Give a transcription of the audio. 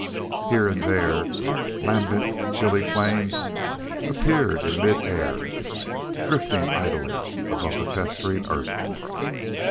Here and there, lambent chilly flames appeared in mid air, drifting idly above the festering earth.